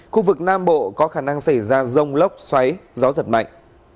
khu vực nam bộ có khả năng xảy ra rông lốc xoáy gió giật mạnh